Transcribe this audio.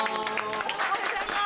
おはようございます。